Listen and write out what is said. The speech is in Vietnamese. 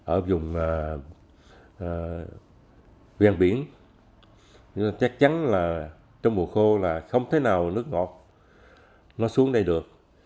ở vùng gian biển chắc chắn là trong mùa khô là không thể nào nước ngọt nó xuống đây được